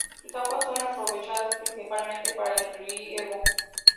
Sus aguas son aprovechadas principalmente para el riego.